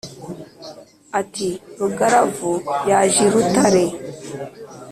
ati : rugaravu yaje i rutare